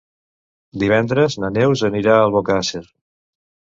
Divendres na Neus anirà a Albocàsser.